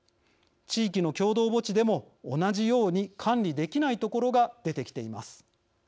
地域の共同墓地でも同じように管理できない所が出てきています。